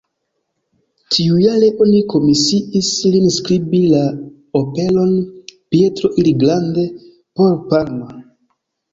Tiujare oni komisiis lin skribi la operon "Pietro il Grande" por Parma.